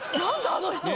あの人！